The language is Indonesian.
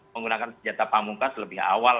menggunakan senjata pamungkas lebih awal